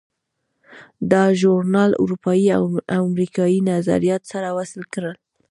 دا ژورنال اروپایي او امریکایي نظریات سره وصل کړل.